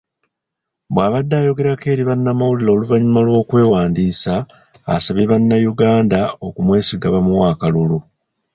Bw'abadde ayogerako eri bannamawulire oluvannyuma lw'okwewandiisa, asabye bannayuganda okumwesiga bamuwe akalulu.